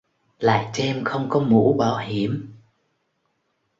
lại thêm không có mũ bảo hiểm